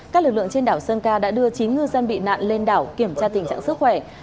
các lực lượng trên đảo sơn ca đã đưa chín ngư dân bị nạn lên đảo kiểm tra tình trạng sức khỏe